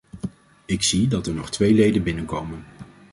Ik zie dat er nog twee leden binnenkomen!